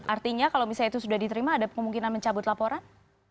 artinya kalau misalnya itu sudah diterima ada kemungkinan mencabut laporan